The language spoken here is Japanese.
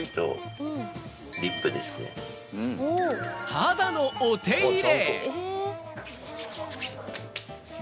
肌のお手入れ。